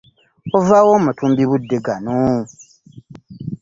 Ova wa amatumbi budde gano?